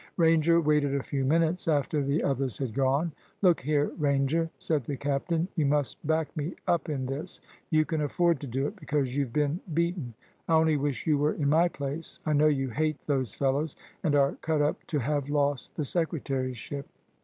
Ranger waited a few minutes after the others had gone. "Look here, Ranger," said the captain, "you must back me up in this. You can afford to do it, because you've been beaten. I only wish you were in my place. I know you hate those fellows, and are cut up to have lost the secretaryship."